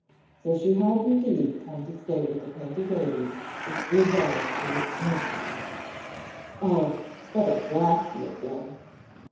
So she had indeed come to stay with the Painted Lady if Grizel proved merciless! Oh, what a black he had been!